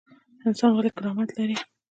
انسان ولې کرامت لري؟